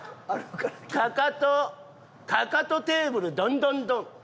かかとかかとテーブルドンドンドン。